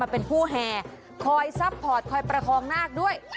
เป็นผู้แห่คอยซัพพอร์ตคอยประคองนาคด้วย